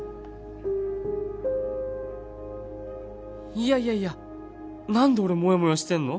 いやいやいや何で俺モヤモヤしてんの？